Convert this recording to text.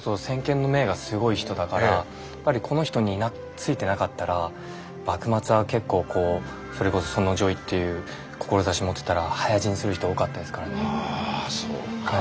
やっぱりこの人についてなかったら幕末は結構こうそれこそ尊王攘夷っていう志持ってたら早死にする人多かったですからね。